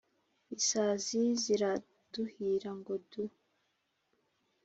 isazi ziraduhira ngo du